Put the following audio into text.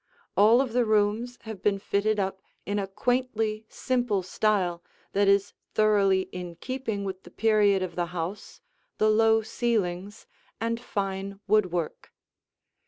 All of the rooms have been fitted up in a quaintly simple style that is thoroughly in keeping with the period of the house, the low ceilings, and fine woodwork.